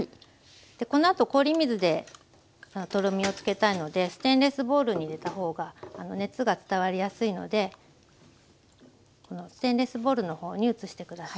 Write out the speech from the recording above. このあと氷水でとろみをつけたいのでステンレスボウルに入れた方が熱が伝わりやすいのでステンレスボウルの方に移して下さい。